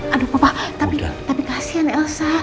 aduh papa tapi kasian elsa